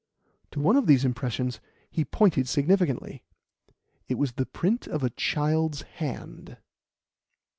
To one of these impressions he pointed significantly. It was the print of a child's hand.